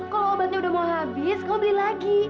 kalau obatnya udah mau habis kau beli lagi